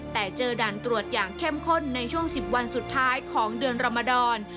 แต่เจอด่านตรวจอย่างเข้มข้นในช่วง๑๐วันสุดท้ายของเดือนรมดร